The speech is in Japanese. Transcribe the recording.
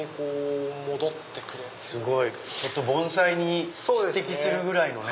盆栽に匹敵するぐらいのね。